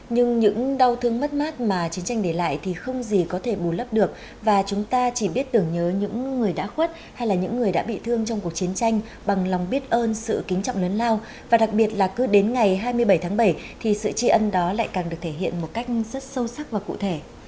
nhưng những đau thương mất mát mà chiến tranh để lại thì không gì có thể bù lấp được và chúng ta chỉ biết tưởng nhớ những người đã khuất hay là những người đã bị thương trong cuộc chiến tranh bằng lòng biết ơn sự kính trọng lớn lao và đặc biệt là cứ đến ngày hai mươi bảy tháng bảy thì sự tri ân đó lại càng được thể hiện một cách rất sâu sắc và cụ thể